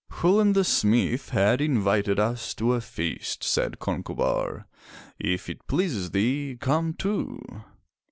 Chulain, the smith, hath invited us to a feast,'* said Concobar. "If it pleases thee, come too.''